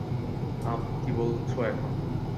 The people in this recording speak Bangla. আম, কী বলছো এখন?